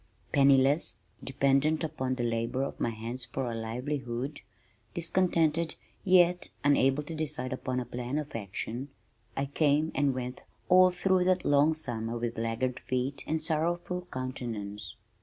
Penniless, dependent upon the labor of my hands for a livelihood, discontented yet unable to decide upon a plan of action, I came and went all through that long summer with laggard feet and sorrowful countenance.